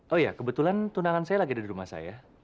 oh ya kebetulan tunangan saya lagi ada di rumah saya